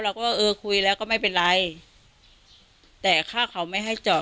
ว่าเออคุยแล้วก็ไม่เป็นไรแต่ถ้าเขาไม่ให้จอด